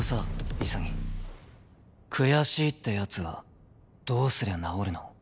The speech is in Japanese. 「悔しい」ってやつはどうすりゃ治るの？